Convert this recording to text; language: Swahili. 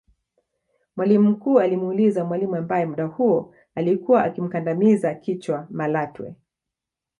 Mwalimu mkuu alimuuliza mwalimu ambaye muda huo alikuwa akimkandamiza kichwa Malatwe